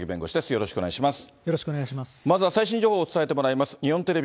よろしくお願いします。